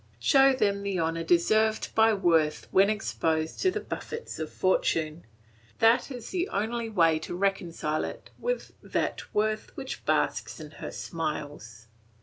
Show them the honour deserved by worth when exposed to the buffets of Fortune; that is the only way to reconcile it with that worth which basks in her smiles."